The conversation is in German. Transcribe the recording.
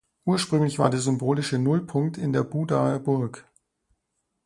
Ursprünglich war der symbolische Null-Punkt in der Budaer Burg.